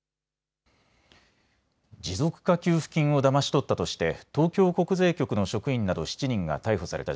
持続化給付金をだまし取ったとして東京国税局の職員など７人が逮捕された